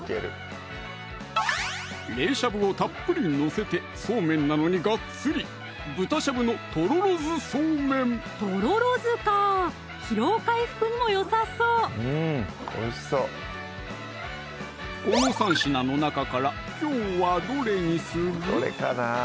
冷しゃぶをたっぷり載せてそうめんなのにガッツリとろろ酢か疲労回復にもよさそうこの３品の中からきょうはどれにする？